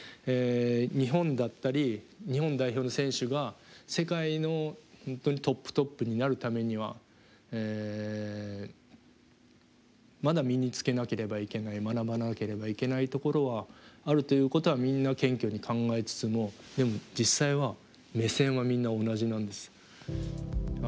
日本だったり日本代表の選手が世界の本当にトップトップになるためにはまだ身につけなければいけない学ばなければいけないところはあるということはみんな謙虚に考えつつもでも実際は目線はみんな同じなんです。